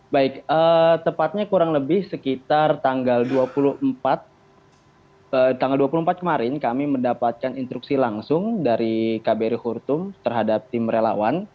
baik tepatnya kurang lebih sekitar tanggal dua puluh empat kemarin kami mendapatkan instruksi langsung dari kbr hurtum terhadap tim relawan